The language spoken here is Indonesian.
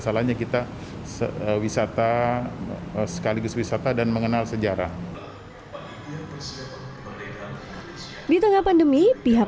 salahnya kita wisata sekaligus wisata dan mengenal sejarah di tengah pandemi pihak